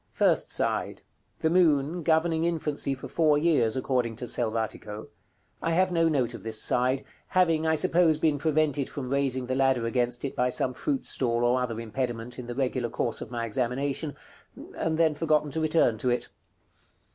First side. The moon, governing infancy for four years, according to Selvatico. I have no note of this side, having, I suppose, been prevented from raising the ladder against it by some fruit stall or other impediment in the regular course of my examination; and then forgotten to return to it.